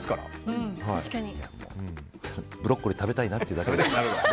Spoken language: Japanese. ブロッコリー食べたいなってだけです。